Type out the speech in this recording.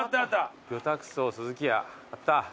魚拓荘鈴木屋あった。